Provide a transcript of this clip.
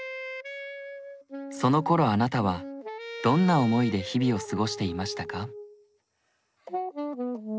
そのころあなたはどんな思いで日々を過ごしていましたか？